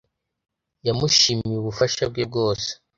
yamushimiye ubufasha bwe bwose